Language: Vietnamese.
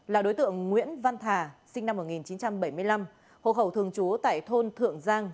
là đối tượng nguyễn văn thà sinh năm một nghìn chín trăm bảy mươi năm hộ khẩu thường trú tại thôn thượng giang